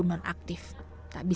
oh di waktu